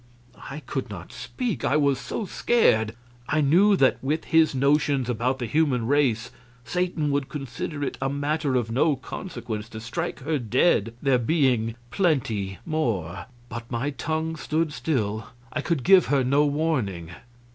I could not speak, I was so scared. I knew that with his notions about the human race Satan would consider it a matter of no consequence to strike her dead, there being "plenty more"; but my tongue stood still, I could give her no warning.